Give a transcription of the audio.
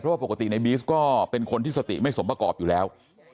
เพราะว่าปกติในบีซก็เป็นคนที่สติไม่สมประกอบอยู่แล้ว